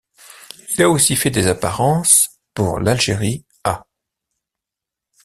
Il a aussi fait des apparences pour l'Algérie A'.